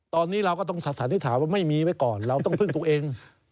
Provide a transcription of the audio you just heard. ตอนนี้เราก็ต้องสันนิษฐานว่าไม่มีไว้ก่อนเราต้องพึ่งตัวเอง